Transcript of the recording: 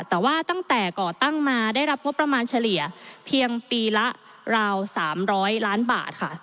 แต่ว่าตั้งแต่ก่อตั้งมาได้รับงบประมาณเฉลี่ยเพียงปีละราว๓๐๐ล้านบาทค่ะ